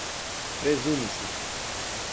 presume-se